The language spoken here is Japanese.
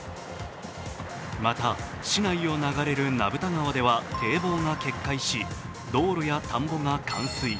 また、市内を流れる名蓋川では堤防が決壊し道路や田んぼが冠水。